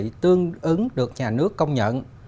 vì tương ứng được nhà nước công nhận